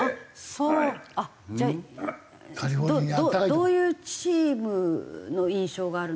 どういうチームの印象があるんですか？